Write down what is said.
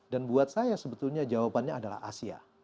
dan buat saya sebetulnya jawabannya adalah asia